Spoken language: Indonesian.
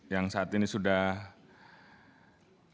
yang saat ini sudah berhasil